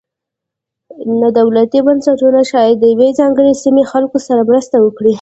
نا دولتي بنسټونه شاید د یوې ځانګړې سیمې خلکو سره مرسته وکړي.